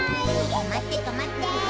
とまってとまって！